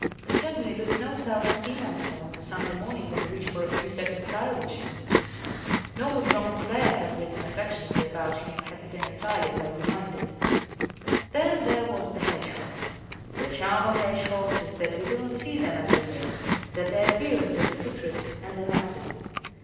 He certainly looked no South Sea monster on the Sunday morning on which for a few seconds I watched him. Nor would John Clare have written affectionately about him had he been entirely bloody minded. Then there was the hedgehog. The charm of hedgehogs is that we do not see them every day that their appearance is a secret and an accident.